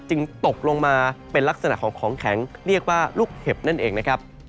ตกลงมาเป็นลักษณะของของแข็งเรียกว่าลูกเห็บนั่นเองนะครับ